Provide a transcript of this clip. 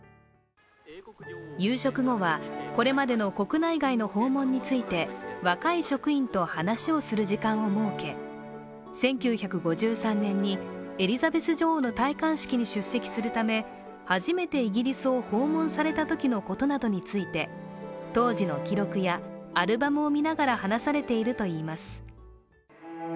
夕食後は、これまでの国内外の訪問について若い職員と話をする時間を設け１９５３年にエリザベス女王の戴冠式に出席するため初めてイギリスを訪問されたときのことなどについて当時の記録やアルバムを見ながら話されているといいます。